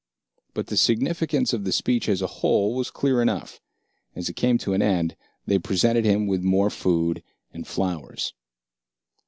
But the significance of the speech as a whole was clear enough. As it came to an end, they presented him with more food and flowers.